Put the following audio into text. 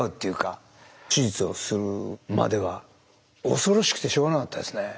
手術をするまでは恐ろしくてしょうがなかったですね。